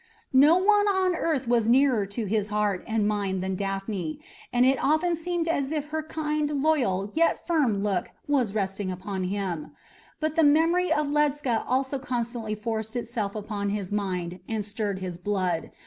No one on earth was nearer to his heart and mind than Daphne, and it often seemed as if her kind, loyal, yet firm look was resting upon him; but the memory of Ledscha also constantly forced itself upon his mind and stirred his blood.